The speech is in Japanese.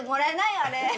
あれ。